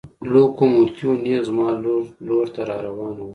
لوکوموتیو نېغ زما لور ته را روان و.